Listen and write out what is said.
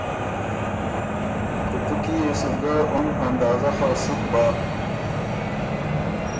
کُوتُو کی يې سو ګۀ اُن اندازۀ خه سُک بۀ۔